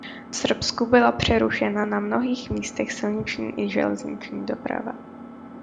V Srbsku byla přerušena na mnohých místech silniční i železniční doprava.